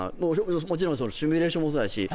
もちろんシミュレーションもそうだし